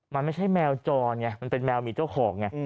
มันไม่ใช่แมวจรไงมันเป็นแมวมีเจ้าของไง